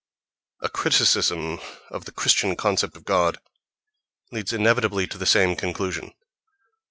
A criticism of the Christian concept of God leads inevitably to the same conclusion.